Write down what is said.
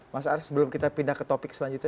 mas ars sebelum kita pindah ke topik selanjutnya